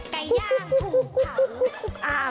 ไก่ย่างถูกขาว